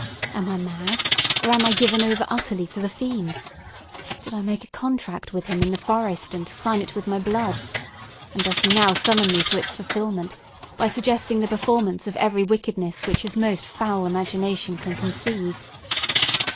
"Am I mad? or am I given over utterly to the fiend? Did I make a contract with him in the forest, and sign it with my blood? And does he now summon me to its fulfilment, by suggesting the performance of every wickedness which his most foul imagination can conceive?"